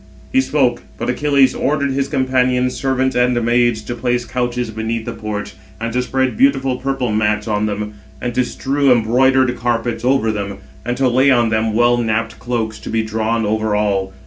He spoke; but Achilles ordered his companions, servants, and maids, to place couches beneath the porch, and to spread beautiful purple mats on them, and to strew embroidered carpets over them, and to lay on them well napped cloaks, to be drawn over all.